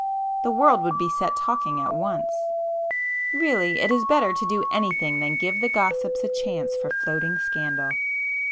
The world would be set talking at once. Really it is better to do anything than give the gossips a chance for floating scandal.